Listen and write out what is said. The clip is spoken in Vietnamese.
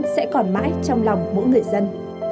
sẽ còn mãi trong lòng mỗi người dân